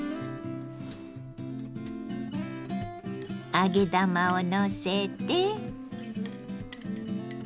揚げ玉をのせて。